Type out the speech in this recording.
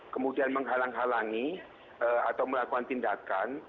kemudian menghalang halangi atau melakukan tindakan